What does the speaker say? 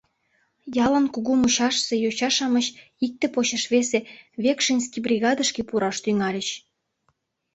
Ялын кугу мучашысе йоча-шамыч икте почеш весе «векшинский бригадышке» пураш тӱҥальыч.